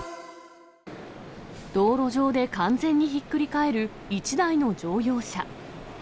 道路上で完全にひっくり返る一台の乗用車。